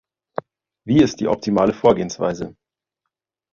Wie ist die optimale Vorgehensweise?